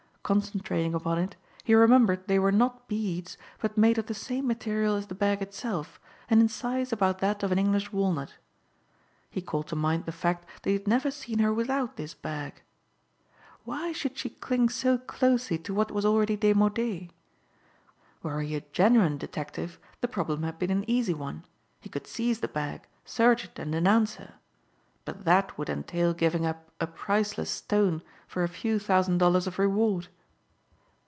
Concentrating upon it he remembered they were not beads but made of the same material as the bag itself and in size about that of an English walnut. He called to mind the fact that he had never seen her without this bag. Why should she cling so closely to what was already demodé? Were he a genuine detective the problem had been an easy one. He could seize the bag, search it and denounce her. But that would entail giving up a priceless stone for a few thousand dollars of reward.